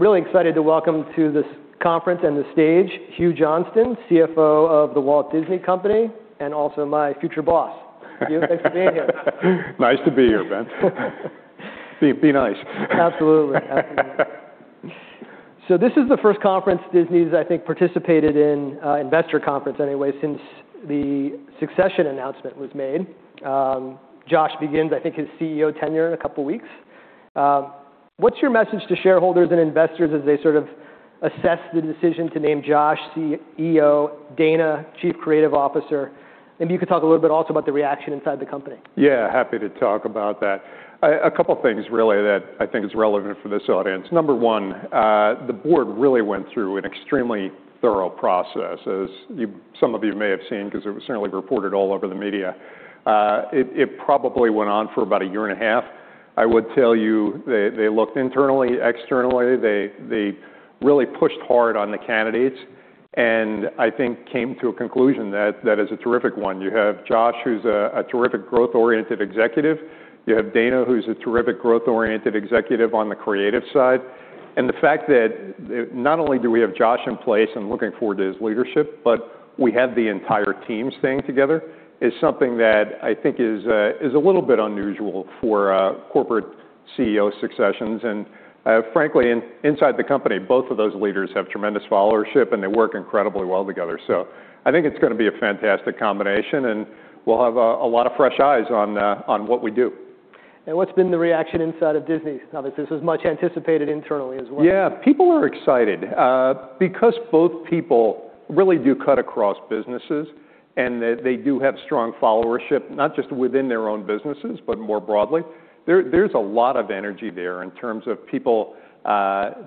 Really excited to welcome to this conference and the stage Hugh Johnston, CFO of The Walt Disney Company and also my future boss. Hugh, thanks for being here. Nice to be here, Ben. Be nice. Absolutely. Absolutely. This is the first conference Disney's, I think, participated in, investor conference anyway, since the succession announcement was made. Josh begins, I think, his CEO tenure in a couple weeks. What's your message to shareholders and investors as they sort of assess the decision to name Josh CEO, Dana Chief Creative Officer? Maybe you could talk a little bit also about the reaction inside the company. Yeah, happy to talk about that. A couple things really that I think is relevant for this audience. Number one, the board really went through an extremely thorough process, as some of you may have seen 'cause it was certainly reported all over the media. It probably went on for about a year and a half. I would tell you they looked internally, externally. They really pushed hard on the candidates and I think came to a conclusion that is a terrific one. You have Josh, who's a terrific growth-oriented executive. You have Dana, who's a terrific growth-oriented executive on the creative side. The fact that, not only do we have Josh in place, I'm looking forward to his leadership, but we have the entire team staying together, is something that I think is a little bit unusual for corporate CEO successions. Frankly, inside the company, both of those leaders have tremendous followership, and they work incredibly well together. I think it's gonna be a fantastic combination, and we'll have a lot of fresh eyes on what we do. What's been the reaction inside of Disney? Obviously, this was much anticipated internally as well. Yeah. People are excited. People really do cut across businesses and they do have strong followership, not just within their own businesses, but more broadly, there's a lot of energy there in terms of people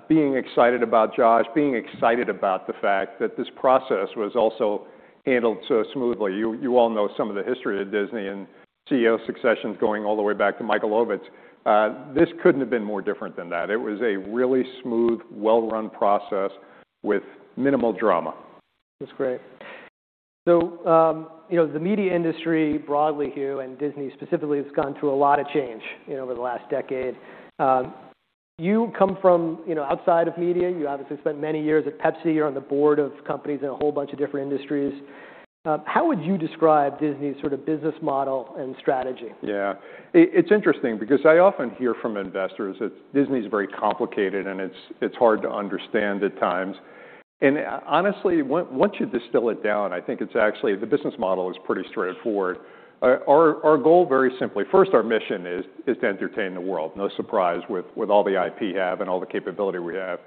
being excited about Josh, being excited about the fact that this process was also handled so smoothly. You all know some of the history of Disney and CEO successions going all the way back to Michael Ovitz. This couldn't have been more different than that. It was a really smooth, well-run process with minimal drama. That's great. You know, the media industry broadly, Hugh, and Disney specifically has gone through a lot of change, you know, over the last decade. You come from, you know, outside of media. You obviously spent many years at Pepsi. You're on the board of companies in a whole bunch of different industries. How would you describe Disney's sort of business model and strategy? Yeah. It's interesting because I often hear from investors that Disney's very complicated and it's hard to understand at times. Honestly, once you distill it down, I think it's actually the business model is pretty straightforward. Our goal very simply. First, our mission is to entertain the world. No surprise with all the IP we have and all the capability we have.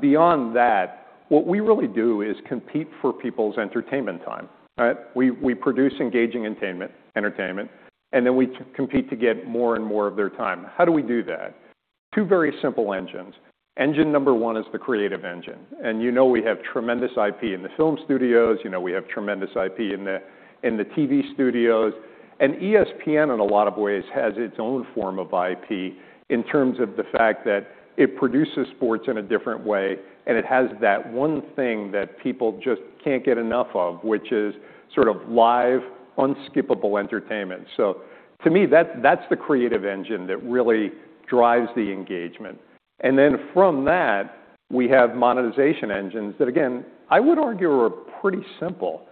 Beyond that, what we really do is compete for people's entertainment time, right? We produce engaging entertainment, we compete to get more and more of their time. How do we do that? Two very simple engines. Engine number one is the creative engine, you know we have tremendous IP in the film studios. You know we have tremendous IP in the TV studios. ESPN, in a lot of ways, has its own form of IP in terms of the fact that it produces sports in a different way and it has that one thing that people just can't get enough of, which is sort of live unskippable entertainment. To me, that's the creative engine that really drives the engagement. From that, we have monetization engines that again, I would argue are pretty simple.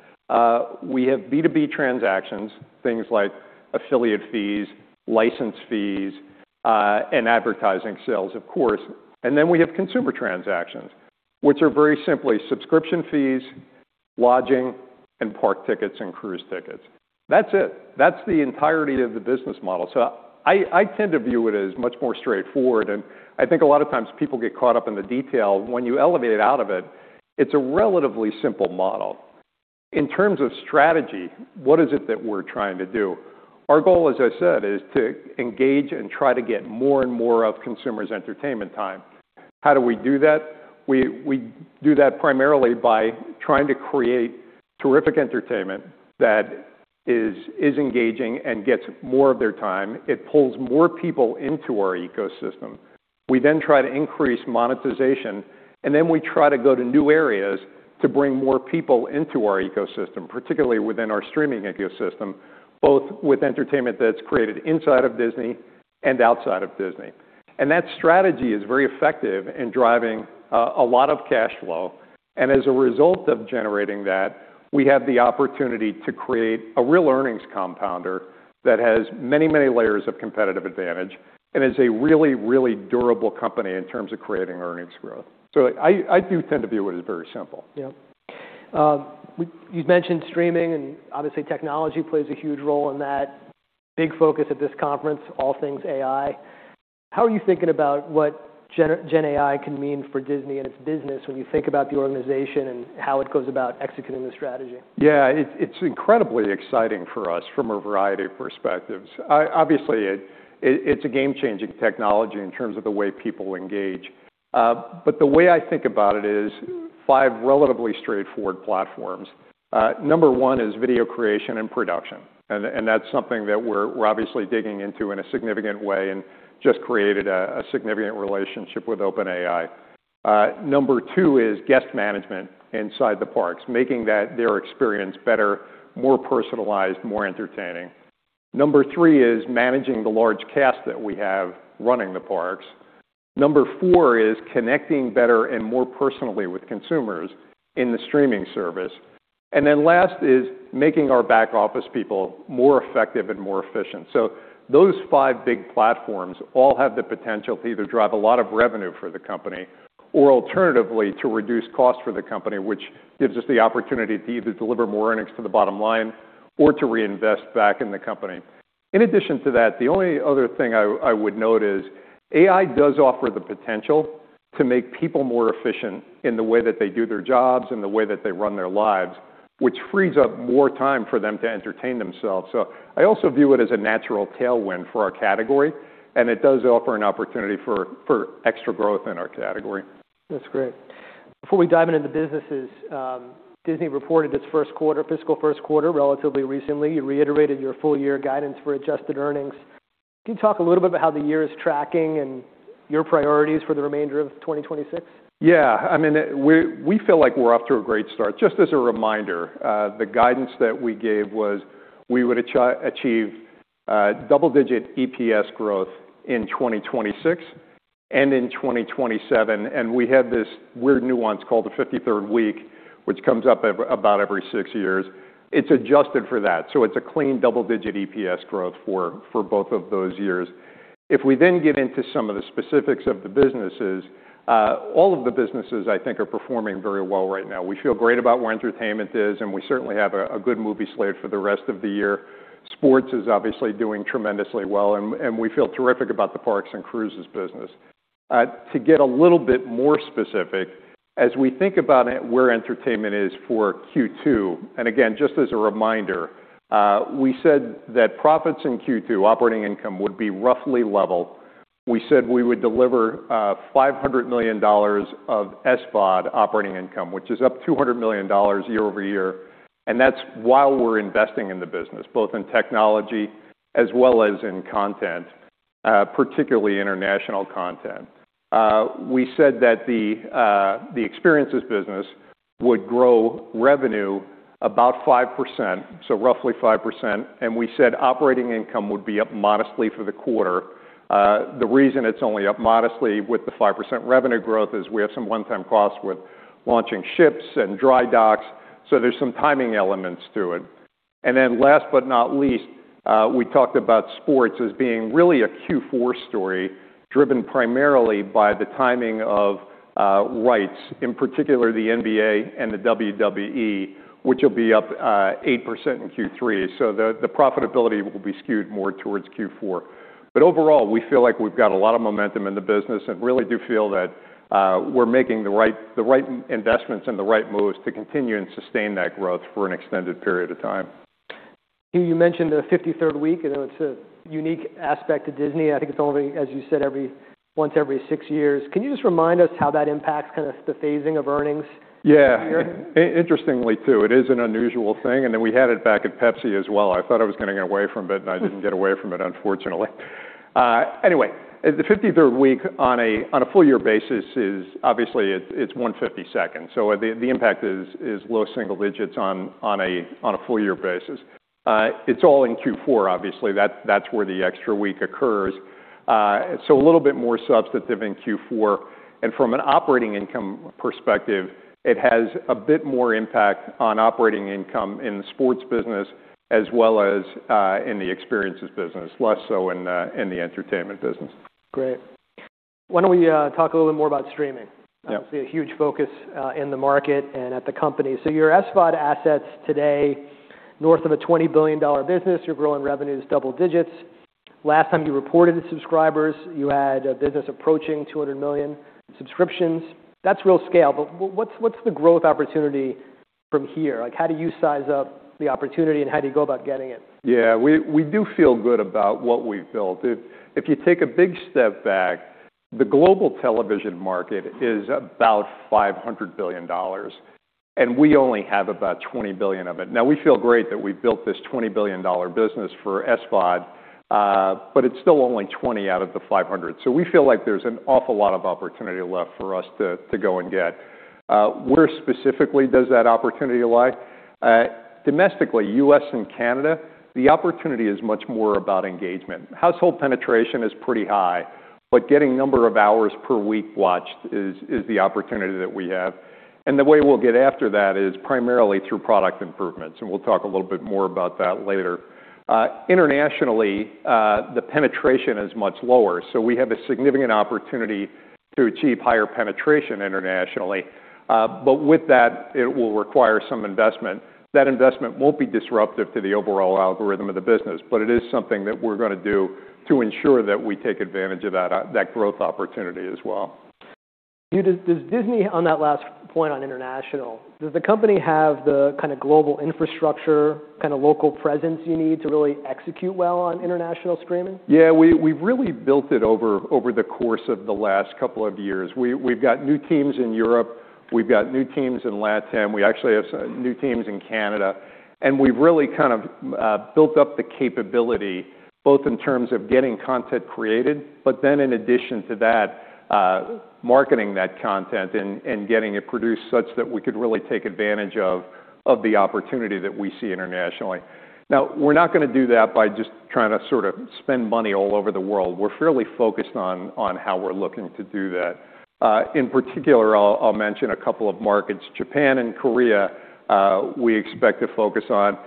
We have B2B transactions, things like affiliate fees, license fees, and advertising sales of course. Then we have consumer transactions, which are very simply subscription fees, lodging and park tickets and cruise tickets. That's it. That's the entirety of the business model. I tend to view it as much more straightforward, and I think a lot of times people get caught up in the detail. When you elevate out of it's a relatively simple model. In terms of strategy, what is it that we're trying to do? Our goal, as I said, is to engage and try to get more and more of consumers' entertainment time. How do we do that? We do that primarily by trying to create terrific entertainment that is engaging and gets more of their time. It pulls more people into our ecosystem. We then try to increase monetization, and then we try to go to new areas to bring more people into our ecosystem, particularly within our streaming ecosystem, both with entertainment that's created inside of Disney and outside of Disney. That strategy is very effective in driving a lot of cash flow. As a result of generating that, we have the opportunity to create a real earnings compounder that has many, many layers of competitive advantage and is a really, really durable company in terms of creating earnings growth. I do tend to view it as very simple. Yeah. You've mentioned streaming and obviously technology plays a huge role in that. Big focus at this conference, all things AI. How are you thinking about what gen AI can mean for Disney and its business when you think about the organization and how it goes about executing the strategy? It's incredibly exciting for us from a variety of perspectives. Obviously it's a game-changing technology in terms of the way people engage. But the way I think about it is five relatively straightforward platforms. Number one is video creation and production, and that's something that we're obviously digging into in a significant way and just created a significant relationship with OpenAI. Number two is guest management inside the parks, making their experience better, more personalized, more entertaining. Number three is managing the large cast that we have running the parks. Number four is connecting better and more personally with consumers in the streaming service. Last is making our back-office people more effective and more efficient. Those five big platforms all have the potential to either drive a lot of revenue for the company or alternatively, to reduce costs for the company, which gives us the opportunity to either deliver more earnings to the bottom line or to reinvest back in the company. In addition to that, the only other thing I would note is AI does offer the potential to make people more efficient in the way that they do their jobs and the way that they run their lives, which frees up more time for them to entertain themselves. I also view it as a natural tailwind for our category, and it does offer an opportunity for extra growth in our category. That's great. Before we dive into the businesses, Disney reported its first quarter, fiscal first quarter relatively recently. You reiterated your full-year guidance for adjusted earnings. Can you talk a little bit about how the year is tracking and your priorities for the remainder of 2026? Yeah. I mean, we feel like we're off to a great start. Just as a reminder, the guidance that we gave was we would achieve double-digit EPS growth in 2026 and in 2027, and we had this weird nuance called the 53rd week, which comes up about every six years. It's adjusted for that, so it's a clean double-digit EPS growth for both of those years. If we then get into some of the specifics of the businesses, all of the businesses I think are performing very well right now. We feel great about where entertainment is, and we certainly have a good movie slate for the rest of the year. Sports is obviously doing tremendously well, and we feel terrific about the parks and cruises business. To get a little bit more specific, as we think about it, where entertainment is for Q2, and again, just as a reminder, we said that profits in Q2, operating income, would be roughly level. We said we would deliver $500 million of SVOD operating income, which is up $200 million year-over-year. That's while we're investing in the business, both in technology as well as in content, particularly international content. We said that the experiences business would grow revenue about 5%, so roughly 5%. We said operating income would be up modestly for the quarter. The reason it's only up modestly with the 5% revenue growth is we have some one-time costs with launching ships and dry docks, so there's some timing elements to it. Last but not least, we talked about sports as being really a Q4 story, driven primarily by the timing of rights, in particular the NBA and the WWE, which will be up 8% in Q3. The profitability will be skewed more towards Q4. Overall, we feel like we've got a lot of momentum in the business and really do feel that we're making the right investments and the right moves to continue and sustain that growth for an extended period of time. You mentioned the 53rd week. I know it's a unique aspect to Disney, and I think it's only, as you said, every once every six years. Can you just remind us how that impacts kind of the phasing of earnings every year? Yeah. Interestingly too, it is an unusual thing, and then we had it back at PepsiCo as well. I thought I was gonna get away from it, and I didn't get away from it, unfortunately. Anyway, the 53rd week on a, on a full year basis is obviously it's 1/52nd. The, the impact is low single digits on a, on a full year basis. It's all in Q4 obviously. That, that's where the extra week occurs. A little bit more substantive in Q4. From an operating income perspective, it has a bit more impact on operating income in the sports business as well as, in the experiences business, less so in the entertainment business. Great. Why don't we talk a little bit more about streaming? Yeah. Obviously a huge focus in the market and at the company. Your SVOD assets today, north of a $20 billion business. You're growing revenues double digits. Last time you reported subscribers, you had a business approaching 200 million subscriptions. That's real scale. What's the growth opportunity from here? Like, how do you size up the opportunity, and how do you go about getting it? Yeah. We, we do feel good about what we've built. If, if you take a big step back, the global television market is about $500 billion, and we only have about $20 billion of it. Now, we feel great that we built this $20 billion business for SVOD, but it's still only $20 out of the $500. We feel like there's an awful lot of opportunity left for us to go and get. Where specifically does that opportunity lie? Domestically, U.S. and Canada, the opportunity is much more about engagement. Household penetration is pretty high, but getting number of hours per week watched is the opportunity that we have. The way we'll get after that is primarily through product improvements, and we'll talk a little bit more about that later. Internationally, the penetration is much lower, so we have a significant opportunity to achieve higher penetration internationally. With that, it will require some investment. That investment won't be disruptive to the overall algorithm of the business, but it is something that we're gonna do to ensure that we take advantage of that growth opportunity as well. Hugh, does Disney, on that last point on international, does the company have the kinda global infrastructure, kinda local presence you need to really execute well on international streaming? Yeah. We've really built it over the course of the last couple of years. We've got new teams in Europe. We've got new teams in LatAm. We actually have some new teams in Canada. We've really kind of built up the capability both in terms of getting content created, but then in addition to that, marketing that content and getting it produced such that we could really take advantage of the opportunity that we see internationally. Now, we're not gonna do that by just trying to sort of spend money all over the world. We're fairly focused on how we're looking to do that. In particular, I'll mention a couple of markets. Japan and Korea, we expect to focus on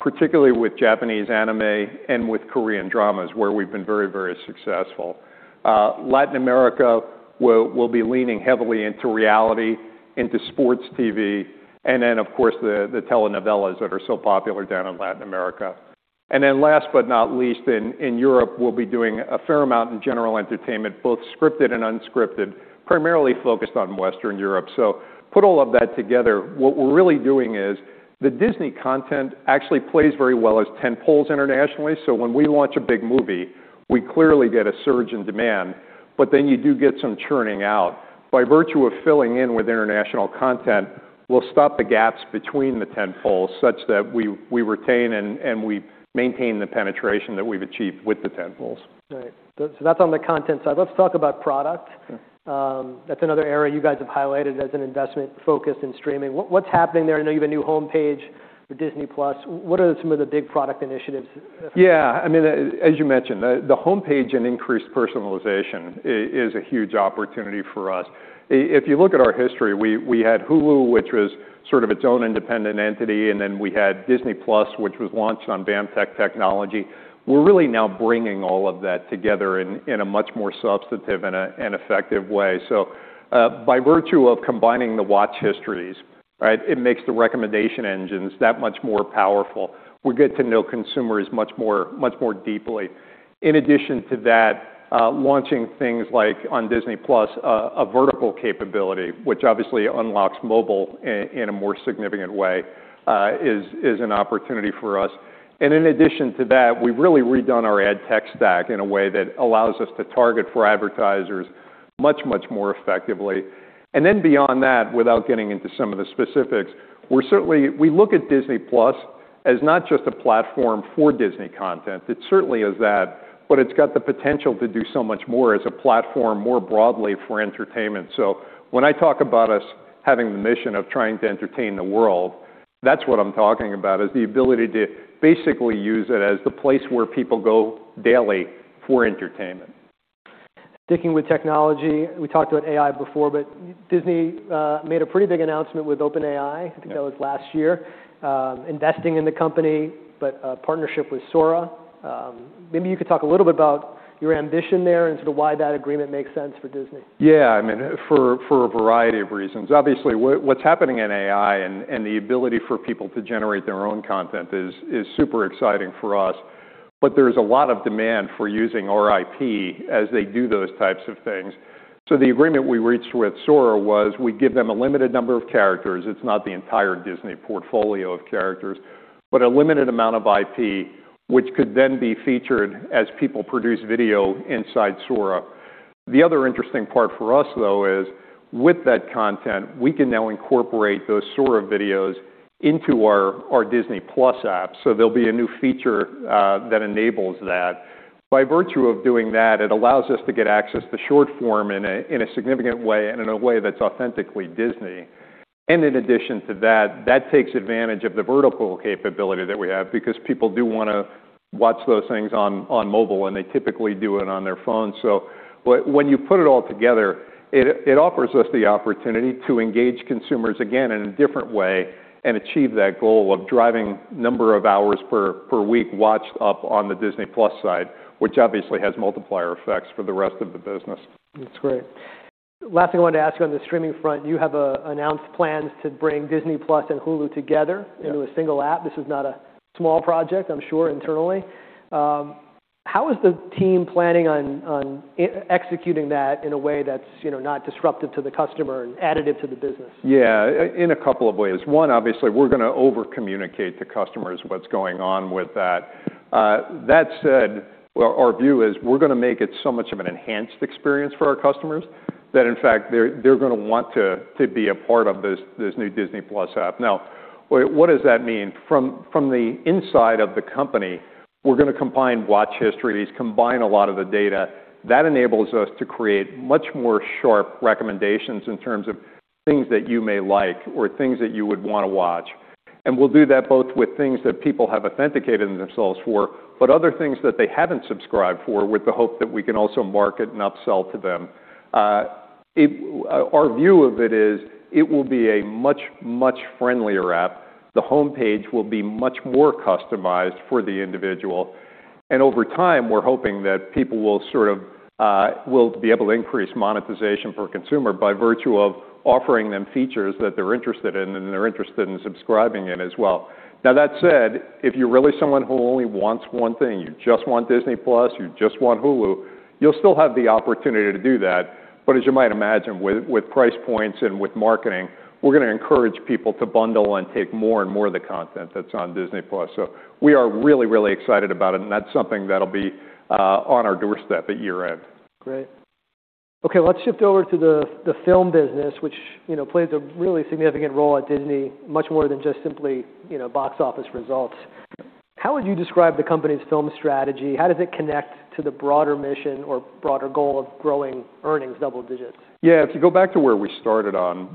particularly with Japanese anime and with Korean dramas where we've been very, very successful. Latin America, we'll be leaning heavily into reality, into sports TV, and then of course the telenovelas that are so popular down in Latin America. Last but not least, in Europe, we'll be doing a fair amount in general entertainment, both scripted and unscripted, primarily focused on Western Europe. Put all of that together, what we're really doing is the Disney content actually plays very well as tentpoles internationally, so when we launch a big movie, we clearly get a surge in demand, but then you do get some churning out. By virtue of filling in with international content, we'll stop the gaps between the tentpoles such that we retain and we maintain the penetration that we've achieved with the tentpoles. Right. That's on the content side. Let's talk about product. Sure. That's another area you guys have highlighted as an investment focus in streaming. What's happening there? I know you have a new homepage for Disney+. What are some of the big product initiatives? Yeah. I mean, as you mentioned, the homepage and increased personalization is a huge opportunity for us. If you look at our history, we had Hulu, which was sort of its own independent entity, we had Disney+, which was launched on BAMTech technology. We're really now bringing all of that together in a much more substantive and effective way. By virtue of combining the watch histories, right, it makes the recommendation engines that much more powerful. We get to know consumers much more deeply. In addition to that, launching things like on Disney+, a vertical capability, which obviously unlocks mobile in a more significant way, is an opportunity for us. In addition to that, we've really redone our ad tech stack in a way that allows us to target for advertisers much more effectively. Beyond that, without getting into some of the specifics, we certainly look at Disney+ as not just a platform for Disney content. It certainly is that, but it's got the potential to do so much more as a platform more broadly for entertainment. When I talk about us having the mission of trying to entertain the world, that's what I'm talking about, is the ability to basically use it as the place where people go daily for entertainment. Sticking with technology, we talked about AI before, but Disney made a pretty big announcement with OpenAI. Yeah. I think that was last year, investing in the company, but a partnership with Sora. Maybe you could talk a little bit about your ambition there and sort of why that agreement makes sense for Disney. Yeah. I mean, for a variety of reasons. Obviously, what's happening in AI and the ability for people to generate their own content is super exciting for us. There's a lot of demand for using our IP as they do those types of things. The agreement we reached with Sora was we give them a limited number of characters. It's not the entire Disney portfolio of characters, but a limited amount of IP, which could then be featured as people produce video inside Sora. The other interesting part for us, though, is with that content, we can now incorporate those Sora videos into our Disney Plus app. There'll be a new feature that enables that. By virtue of doing that, it allows us to get access to short form in a significant way and in a way that's authentically Disney. In addition to that takes advantage of the vertical capability that we have because people do wanna watch those things on mobile, and they typically do it on their phone. When you put it all together, it offers us the opportunity to engage consumers again in a different way and achieve that goal of driving number of hours per week watched up on the Disney+ side, which obviously has multiplier effects for the rest of the business. That's great. Last thing I wanted to ask you on the streaming front, you have announced plans to bring Disney+ and Hulu together- Yeah.... into a single app. This is not a small project, I'm sure, internally. How is the team planning on executing that in a way that's, you know, not disruptive to the customer and additive to the business? Yeah. In a couple of ways. One, obviously, we're gonna over-communicate to customers what's going on with that. That said, our view is we're gonna make it so much of an enhanced experience for our customers that, in fact, they're gonna want to be a part of this new Disney+ app. Now, what does that mean? From the inside of the company, we're gonna combine watch histories, combine a lot of the data. That enables us to create much more sharp recommendations in terms of things that you may like or things that you would wanna watch. We'll do that both with things that people have authenticated themselves for, but other things that they haven't subscribed for with the hope that we can also market and upsell to them. Our view of it is it will be a much, much friendlier app. The homepage will be much more customized for the individual. Over time, we're hoping that people will sort of, we'll be able to increase monetization per consumer by virtue of offering them features that they're interested in and they're interested in subscribing in as well. That said, if you're really someone who only wants one thing, you just want Disney+, you just want Hulu, you'll still have the opportunity to do that. As you might imagine, with price points and with marketing, we're gonna encourage people to bundle and take more and more of the content that's on Disney+. We are really, really excited about it, and that's something that'll be on our doorstep at year-end. Great. Okay, let's shift over to the film business, which, you know, plays a really significant role at Disney, much more than just simply, you know, box office results. How would you describe the company's film strategy? How does it connect to the broader mission or broader goal of growing earnings double digits? Yeah. If you go back to where we started on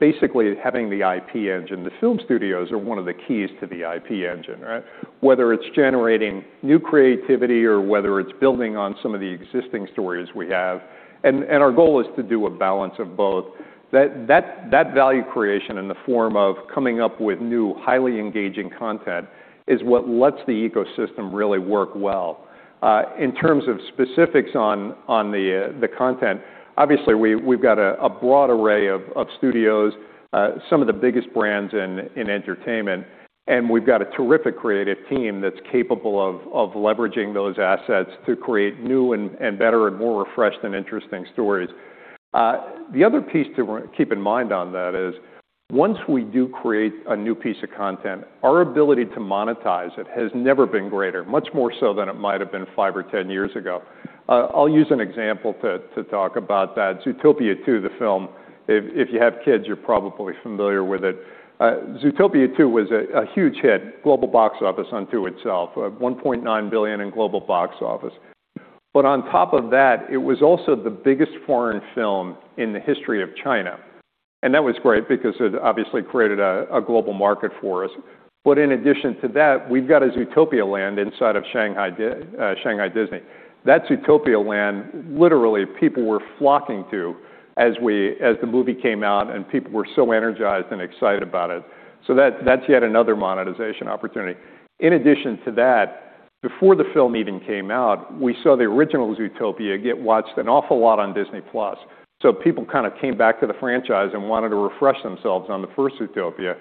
basically having the IP engine, the film studios are one of the keys to the IP engine, right? Whether it's generating new creativity or whether it's building on some of the existing stories we have. Our goal is to do a balance of both. That value creation in the form of coming up with new highly engaging content is what lets the ecosystem really work well. In terms of specifics on the content, obviously we've got a broad array of studios, some of the biggest brands in entertainment, and we've got a terrific creative team that's capable of leveraging those assets to create new and better, and more refreshed and interesting stories. The other piece to keep in mind on that is once we do create a new piece of content, our ability to monetize it has never been greater, much more so than it might have been five or 10 years ago. I'll use an example to talk about that. Zootopia 2, the film. If you have kids, you're probably familiar with it. Zootopia 2 was a huge hit, global box office unto itself, $1.9 billion in global box office. On top of that, it was also the biggest foreign film in the history of China. That was great because it obviously created a global market for us. In addition to that, we've got a Zootopia Land inside of Shanghai Disney. That Zootopia Land, literally people were flocking to as the movie came out, people were so energized and excited about it. That's yet another monetization opportunity. In addition to that, before the film even came out, we saw the original Zootopia get watched an awful lot on Disney+. People kinda came back to the franchise and wanted to refresh themselves on the first Zootopia.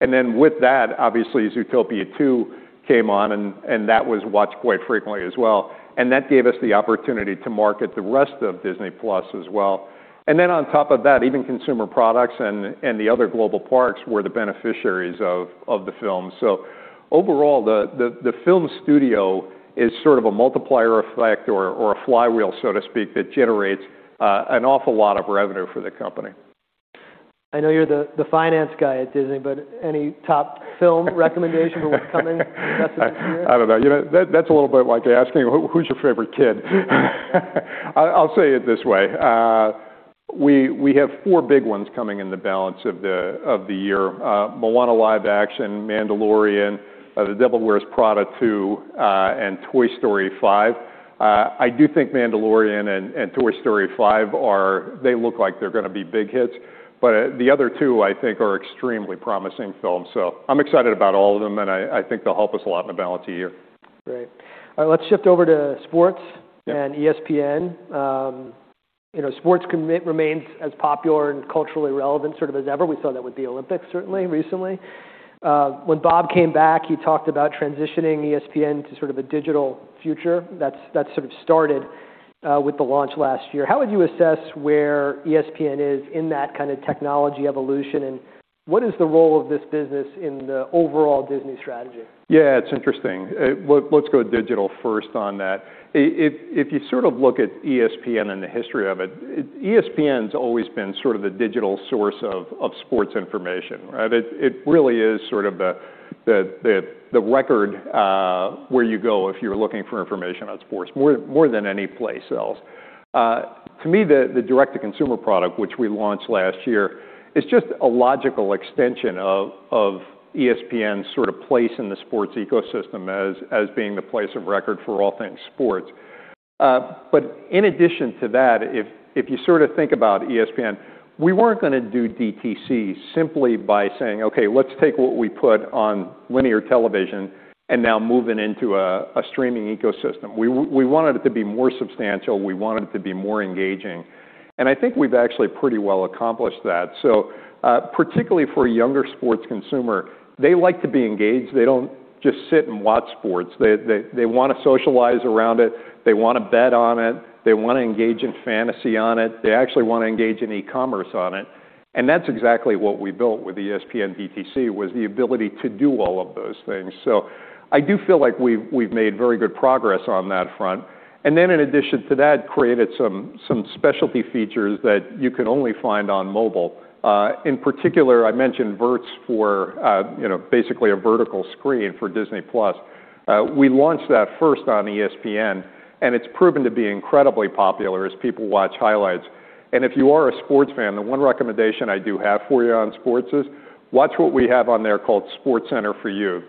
With that, obviously Zootopia 2 came on and that was watched quite frequently as well. That gave us the opportunity to market the rest of Disney+ as well. On top of that, even consumer products and the other global parks were the beneficiaries of the film. Overall, the film studio is sort of a multiplier effect or a flywheel, so to speak, that generates an awful lot of revenue for the company. I know you're the finance guy at Disney, but any top film recommendation for what's coming the rest of this year? I don't know. You know, that's a little bit like asking who's your favorite kid. I'll say it this way. We have four big ones coming in the balance of the year. Moana Live Action, Mandalorian, The Devil Wears Prada 2, and Toy Story 5. I do think Mandalorian and Toy Story 5 look like they're gonna be big hits. The other two, I think, are extremely promising films. I'm excited about all of them, and I think they'll help us a lot in the balance of the year. Great. All right, let's shift over to sports- Yeah.... ESPN. you know, sports can remain as popular and culturally relevant sort of as ever. We saw that with the Olympics certainly recently. When Bob came back, he talked about transitioning ESPN to sort of a digital future. That sort of started with the launch last year. How would you assess where ESPN is in that kinda technology evolution, and what is the role of this business in the overall Disney strategy? Yeah, it's interesting. Let's go digital first on that. If you sort of look at ESPN and the history of it, ESPN's always been sort of the digital source of sports information, right? It really is sort of the record where you go if you're looking for information on sports more than any place else. To me, the direct-to-consumer product, which we launched last year, is just a logical extension of ESPN's sorta place in the sports ecosystem as being the place of record for all things sports. In addition to that, if you sorta think about ESPN, we weren't gonna do DTC simply by saying, "Okay, let's take what we put on linear television and now move it into a streaming ecosystem." We wanted it to be more substantial. We wanted it to be more engaging. I think we've actually pretty well accomplished that. Particularly for a younger sports consumer, they like to be engaged. They don't just sit and watch sports. They wanna socialize around it. They wanna bet on it. They wanna engage in fantasy on it. They actually wanna engage in e-commerce on it. That's exactly what we built with ESPN DTC, was the ability to do all of those things. I do feel like we've made very good progress on that front. In addition to that, created some specialty features that you can only find on mobile. In particular, I mentioned Verts for, you know, basically a vertical screen for Disney+. We launched that first on ESPN, and it's proven to be incredibly popular as people watch highlights. If you are a sports fan, the one recommendation I do have for you on sports is watch what we have on there called SportsCenter for You.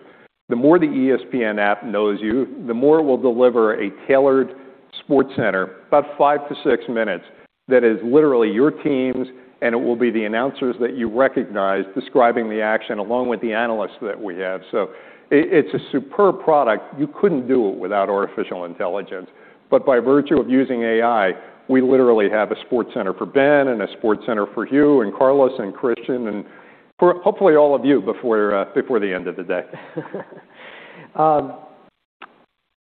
The more the ESPN app knows you, the more it will deliver a tailored SportsCenter, about five to six minutes, that is literally your teams, and it will be the announcers that you recognize describing the action, along with the analysts that we have. It's a superb product. You couldn't do it without artificial intelligence. By virtue of using AI, we literally have a SportsCenter for Ben and a SportsCenter for you and Carlos and Christian, and for hopefully all of you before the end of the day.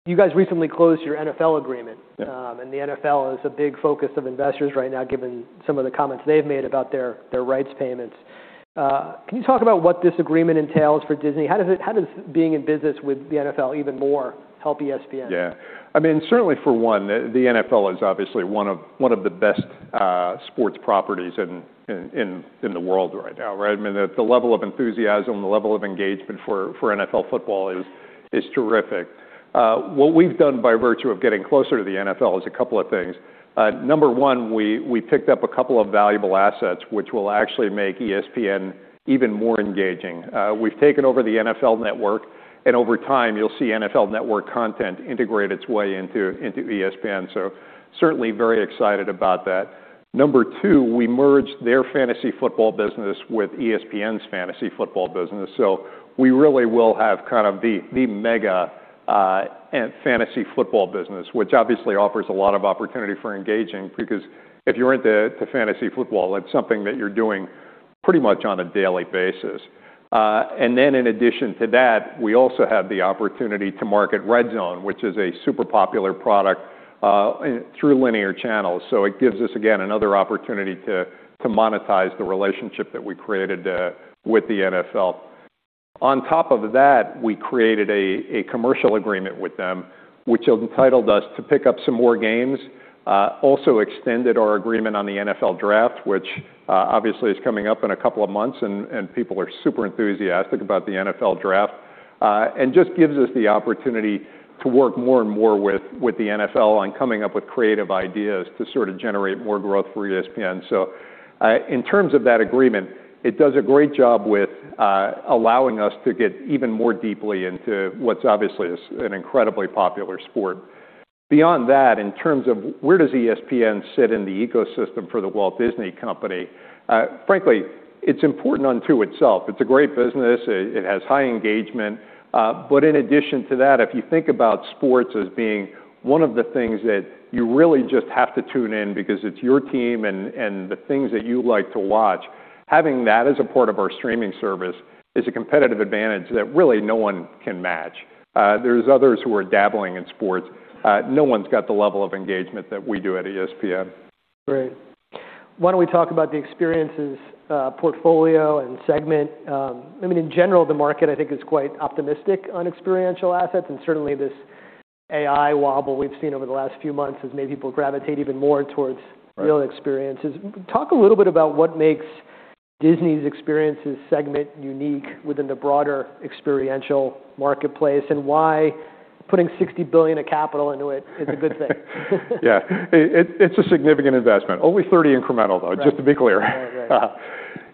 You guys recently closed your NFL agreement. Yeah. The NFL is a big focus of investors right now, given some of the comments they've made about their rights payments. Can you talk about what this agreement entails for Disney? How does being in business with the NFL even more help ESPN? Yeah. I mean, certainly for one, the NFL is obviously one of the best sports properties in the world right now, right? I mean, the level of enthusiasm, the level of engagement for NFL football is terrific. What we've done by virtue of getting closer to the NFL is a couple of things. Number one, we picked up a couple of valuable assets which will actually make ESPN even more engaging. We've taken over the NFL Network and over time you'll see NFL Network content integrate its way into ESPN. Certainly very excited about that. Number two, we merged their Fantasy Football business with ESPN's Fantasy Football business. We really will have kind of the mega Fantasy Football business, which obviously offers a lot of opportunity for engaging because if you're into the Fantasy Football, it's something that you're doing pretty much on a daily basis. In addition to that, we also have the opportunity to market RedZone, which is a super popular product through linear channels. It gives us, again, another opportunity to monetize the relationship that we created with the NFL. On top of that, we created a commercial agreement with them, which entitled us to pick up some more games. Also extended our agreement on the NFL Draft, which obviously is coming up in a couple of months and people are super enthusiastic about the NFL Draft. Just gives us the opportunity to work more and more with the NFL on coming up with creative ideas to sort of generate more growth for ESPN. In terms of that agreement, it does a great job with allowing us to get even more deeply into what's obviously is an incredibly popular sport. Beyond that, in terms of where does ESPN sit in the ecosystem for The Walt Disney Company, frankly, it's important unto itself. It's a great business. It has high engagement. In addition to that, if you think about sports as being one of the things that you really just have to tune in because it's your team and the things that you like to watch, having that as a part of our streaming service is a competitive advantage that really no one can match. There's others who are dabbling in sports. No one's got the level of engagement that we do at ESPN. Great. Why don't we talk about the experiences, portfolio and segment. I mean, in general, the market I think is quite optimistic on experiential assets, certainly this AI wobble we've seen over the last few months has made people gravitate even more towards- Right.... real experiences. Talk a little bit about what makes Disney's experiences segment unique within the broader experiential marketplace, why putting $60 billion of capital into it is a good thing. Yeah. It's a significant investment. Only 30 incremental though- Right.... just to be clear. Right. Right.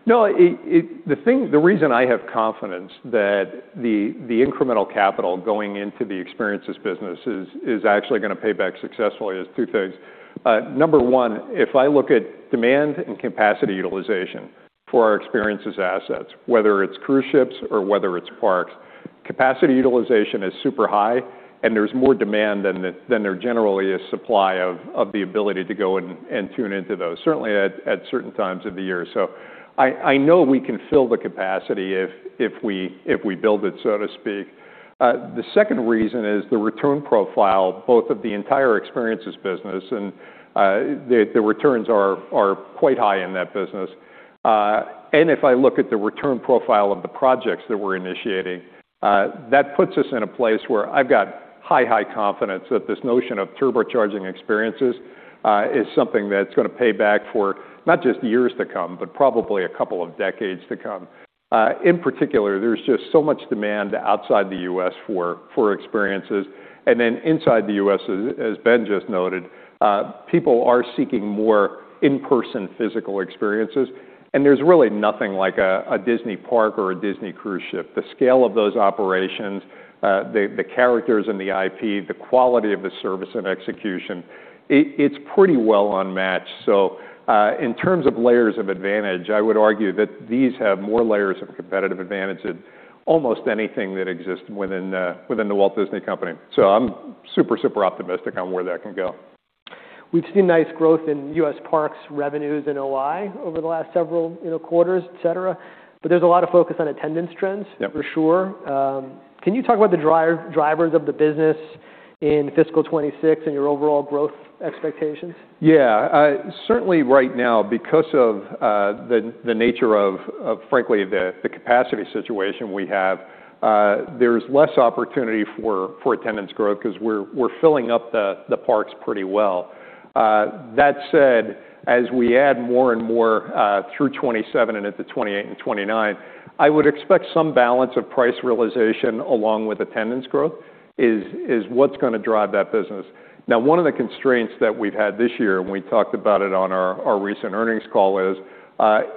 No, the reason I have confidence that the incremental capital going into the experiences business is actually gonna pay back successfully is two things. Number one, if I look at demand and capacity utilization for our experiences assets, whether it's cruise ships or whether it's parks, capacity utilization is super high, and there's more demand than there generally is supply of the ability to go and tune into those, certainly at certain times of the year. I know we can fill the capacity if we build it, so to speak. The second reason is the return profile, both of the entire experiences business and the returns are quite high in that business. If I look at the return profile of the projects that we're initiating, that puts us in a place where I've got high confidence that this notion of turbocharging experiences is something that's gonna pay back for not just years to come, but probably a couple of decades to come. In particular, there's just so much demand outside the U.S. for experiences, and then inside the U.S., as Ben just noted, people are seeking more in-person physical experiences. There's really nothing like a Disney park or a Disney cruise ship. The scale of those operations, the characters and the IP, the quality of the service and execution, it's pretty well unmatched. In terms of layers of advantage, I would argue that these have more layers of competitive advantage than almost anything that exists within The Walt Disney Company. I'm super optimistic on where that can go. We've seen nice growth in U.S. parks revenues and OI over the last several, you know, quarters, et cetera. There's a lot of focus on attendance trends- Yep.... for sure. Can you talk about the drivers of the business in fiscal 2026 and your overall growth expectations? Yeah, certainly right now because of the nature of frankly the capacity situation we have, there's less opportunity for attendance growth 'cause we're filling up the parks pretty well. That said, as we add more and more through 2027 and into 2028 and 2029, I would expect some balance of price realization along with attendance growth is what's gonna drive that business. Now one of the constraints that we've had this year, and we talked about it on our recent earnings call, is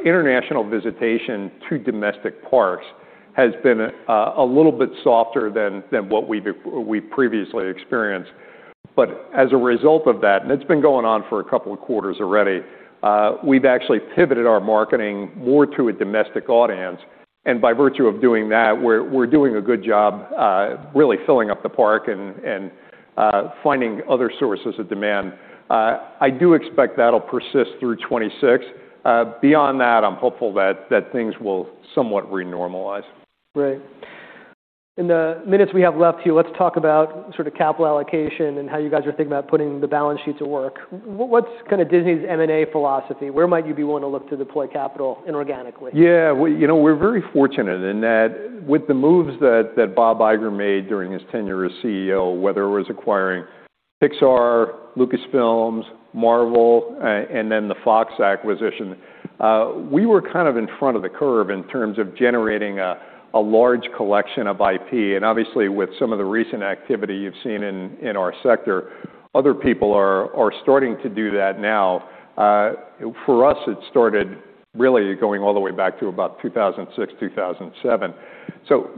international visitation to domestic parks has been a little bit softer than what we previously experienced. As a result of that, and it's been going on for a couple of quarters already, we've actually pivoted our marketing more to a domestic audience, and by virtue of doing that, we're doing a good job, really filling up the park and finding other sources of demand. I do expect that'll persist through 2026. Beyond that, I'm hopeful that things will somewhat re-normalize. Great. In the minutes we have left, Hugh, let's talk about sort of capital allocation and how you guys are thinking about putting the balance sheets at work. What's kinda Disney's M&A philosophy? Where might you be willing to look to deploy capital inorganically? Yeah. You know, we're very fortunate in that with the moves that Bob Iger made during his tenure as CEO, whether it was acquiring Pixar, Lucasfilm, Marvel, and then the Fox acquisition, we were kind of in front of the curve in terms of generating a large collection of IP. Obviously with some of the recent activity you've seen in our sector, other people are starting to do that now. For us, it started really going all the way back to about 2006, 2007.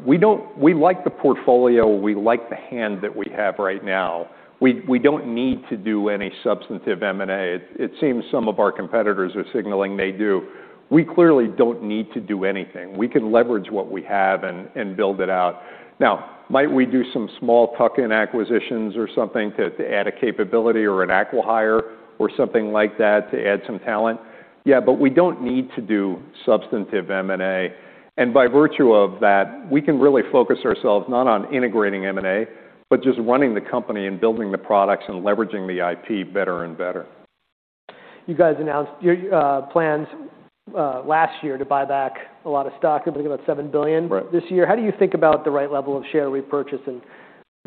We like the portfolio. We like the hand that we have right now. We don't need to do any substantive M&A. It seems some of our competitors are signaling they do. We clearly don't need to do anything. We can leverage what we have and build it out. Now, might we do some small tuck-in acquisitions or something to add a capability or an acqui-hire or something like that to add some talent? Yeah. We don't need to do substantive M&A. By virtue of that, we can really focus ourselves not on integrating M&A, but just running the company and building the products and leveraging the IP better and better. You guys announced your plans last year to buy back a lot of stock. I think about $7 billion- Right.... this year. How do you think about the right level of share repurchase and-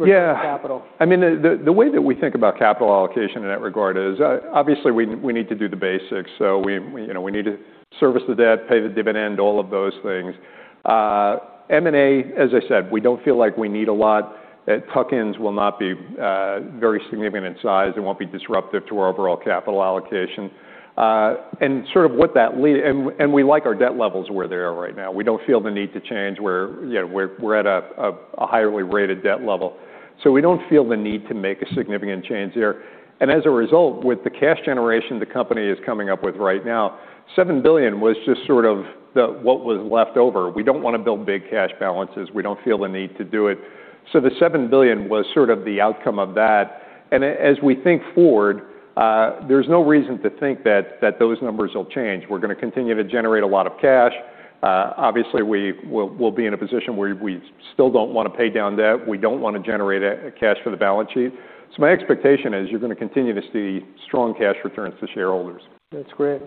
Yeah.... capital? I mean, the way that we think about capital allocation in that regard is, obviously we need to do the basics. We, you know, we need to service the debt, pay the dividend, all of those things. M&A, as I said, we don't feel like we need a lot. That tuck-ins will not be very significant size and won't be disruptive to our overall capital allocation. We like our debt levels where they are right now. We don't feel the need to change where, you know, we're at a highly rated debt level. We don't feel the need to make a significant change there. As a result, with the cash generation the company is coming up with right now, $7 billion was just sort of the what was left over. We don't wanna build big cash balances. We don't feel the need to do it. The $7 billion was sort of the outcome of that. As we think forward, there's no reason to think that those numbers will change. We're gonna continue to generate a lot of cash. Obviously, we'll be in a position where we still don't wanna pay down debt. We don't wanna generate a cash for the balance sheet. My expectation is you're gonna continue to see strong cash returns to shareholders. That's great.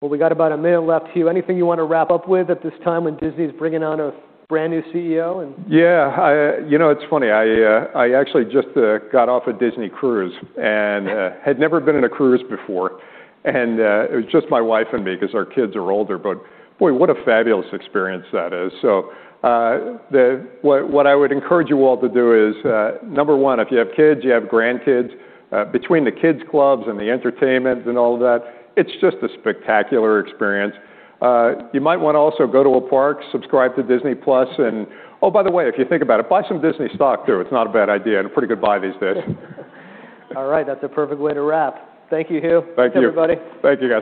Well, we got about a minute left, Hugh. Anything you wanna wrap up with at this time when Disney's bringing on a brand-new CEO and... Yeah. You know, it's funny. I actually just got off a Disney cruise and had never been on a cruise before. It was just my wife and me 'cause our kids are older. Boy, what a fabulous experience that is. What I would encourage you all to do is number one, if you have kids, you have grandkids, between the kids' clubs and the entertainment and all that, it's just a spectacular experience. You might wanna also go to a park, subscribe to Disney+ and... Oh, by the way, if you think about it, buy some Disney stock too. It's not a bad idea and a pretty good buy these days. All right. That's a perfect way to wrap. Thank you, Hugh. Thank you. Thanks, everybody. Thank you, guys.